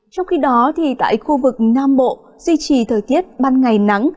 trong khi đó tại khu vực nam bộ duy trì thời tiết ban ngày nắng